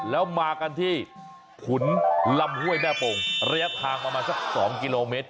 แล้วมากันที่ขุนลำห้วยแม่โป่งระยะทางประมาณสัก๒กิโลเมตร